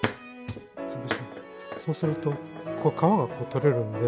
そうすると皮が取れるんで。